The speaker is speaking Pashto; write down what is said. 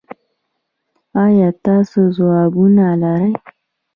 ایا تاسو ځوابونه لرئ؟